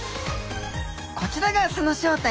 こちらがその正体。